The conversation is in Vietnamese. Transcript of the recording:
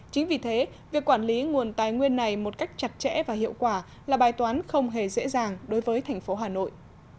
chính vì thế việc quản lý nguồn tài nguyên này một cách chặt chẽ và hiệu quả là bài toán không hề dễ dàng đối với thành phố hà nội